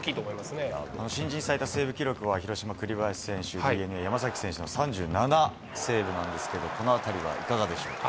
新人最多セーブ記録は、広島、栗林選手、ＤｅＮＡ、山崎選手の３７なんですけれども、このあたりはいかがでしょうか。